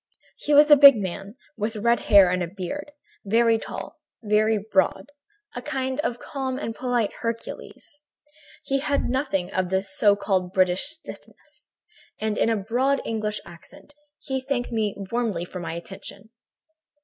"He was a big man, with red hair and beard, very tall, very broad, a kind of calm and polite Hercules. He had nothing of the so called British stiffness, and in a broad English accent he thanked me warmly for my attention.